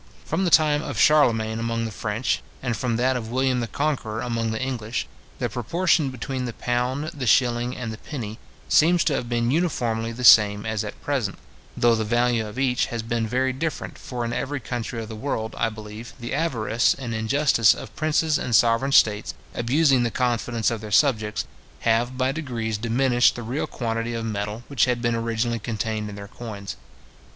From the time of Charlemagne among the French, and from that of William the Conqueror among the English, the proportion between the pound, the shilling, and the penny, seems to have been uniformly the same as at present, though the value of each has been very different; for in every country of the world, I believe, the avarice and injustice of princes and sovereign states, abusing the confidence of their subjects, have by degrees diminished the real quantity of metal, which had been originally contained in their coins.